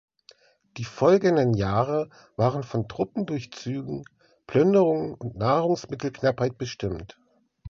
Die folgenden Jahre waren von Truppendurchzügen, Plünderungen und Nahrungsmittelknappheit bestimmt.